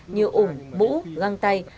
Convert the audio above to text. như ủng bũ găng tay